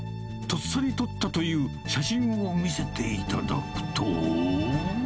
とっさに撮ったという写真を見せていただくと。